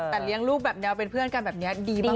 แต่เลี้ยงลูกแบบแนวเป็นเพื่อนกันแบบนี้ดีมาก